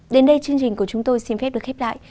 đến đây chương trình của chúng tôi xin phép được khép lại